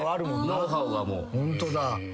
ノウハウはもう。